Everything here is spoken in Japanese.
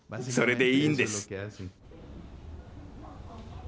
それでいいんです。